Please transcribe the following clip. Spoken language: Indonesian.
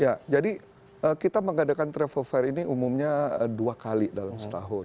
ya jadi kita mengadakan travel fair ini umumnya dua kali dalam setahun